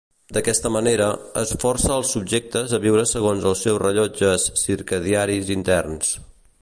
D'aquesta manera, es força els subjectes a viure segons els seus "rellotges" circadiaris interns.